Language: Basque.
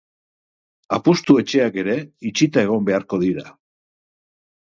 Apustu-etxeak ere itxita egon beharko dira.